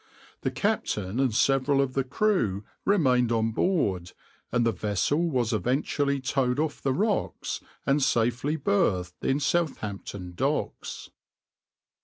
The captain and several of the crew remained on board, and the vessel was eventually towed off the rocks and safely berthed in Southampton docks.